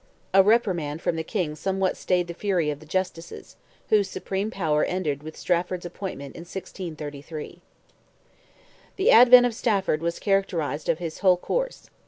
A reprimand from the King somewhat stayed the fury of the Justices, whose supreme power ended with Stafford's appointment in 1633. The advent of Stafford was characteristic of his whole course.